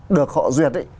được họ duyệt